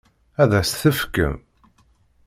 Ad as-t-tefkem?